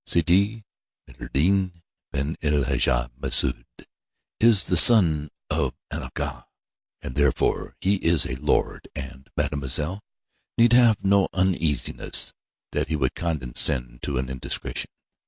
Sidi Maïeddine ben el Hadj Messaoud is the son of an Agha, and therefore he is a lord, and Mademoiselle need have no uneasiness that he would condescend to an indiscretion.